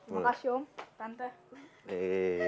terima kasih om tante